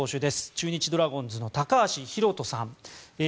中日ドラゴンズの高橋宏斗さん。